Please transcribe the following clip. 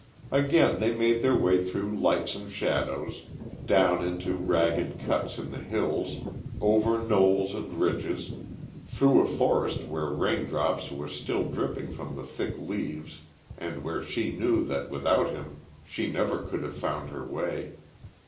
Again they made their way through lights and shadows, down into ragged cuts in the hills, over knolls and ridges, through a forest where raindrops were still dripping from the thick leaves and where she knew that without him she never could have found her way.